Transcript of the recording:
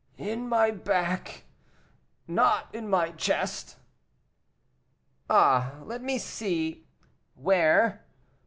"In my back, not in my chest." "Ah, let me see; where?"